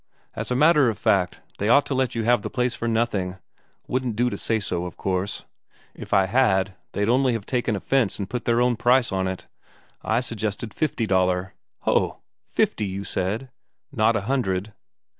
As a matter of fact, they ought to let you have the place for nothing, wouldn't do to say so, of course. If I had, they'd only have taken offence and put their own price on it. I suggested fifty Daler." "Ho. Fifty, you said? Not a hundred?"